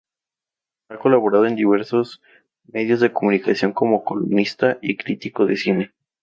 Ha colaborado en diversos medios de comunicación como columnista y crítico de cine.